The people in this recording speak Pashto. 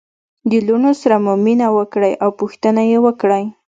د لوڼو سره مو مینه وکړئ او پوښتنه يې وکړئ